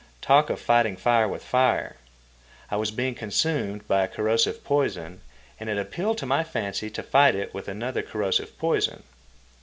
Talk of fighting fire with fire! I was being consumed by a corrosive poison, and it appealed to my fancy to fight it with another corrosive poison.